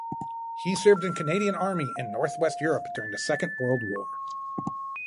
He served in the Canadian Army in North-West Europe during the Second World War.